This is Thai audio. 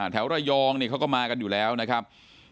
แถวระยองเขาก็มากันอยู่แล้วนะครับ